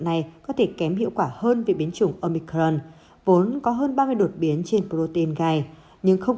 này có thể kém hiệu quả hơn về biến chủng omicron vốn có hơn ba mươi đột biến trên protein gai nhưng không